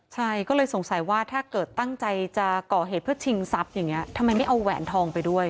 ใช่ก็เลยสงสัยว่าถ้าเกิดตั้งใจจะก่อเหตุเพื่อชิงทรัพย์อย่างนี้ทำไมไม่เอาแหวนทองไปด้วย